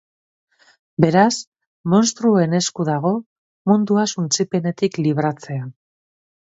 Beraz, monstruoen esku dago mundua suntsipenetik libratzea.